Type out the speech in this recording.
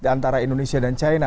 antara indonesia dan china